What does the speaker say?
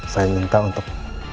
saya minta untuk